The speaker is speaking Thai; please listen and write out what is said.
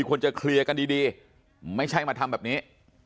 ควรจะเคลียร์กันดีไม่ใช่มาทำแบบนี้